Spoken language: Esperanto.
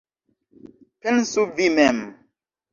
Pensu vi mem!